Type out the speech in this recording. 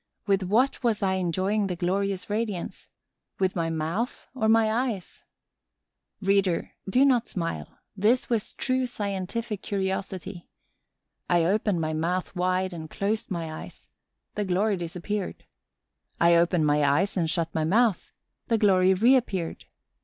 With what was I enjoying the glorious radiance, with my mouth or my eyes? Reader, do not smile: this was true scientific curiosity. I opened my mouth wide and closed my eyes: the glory disappeared. I opened my eyes and shut my mouth: the glory reappeared.